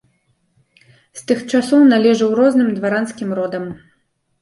З тых часоў належыў розным дваранскім родам.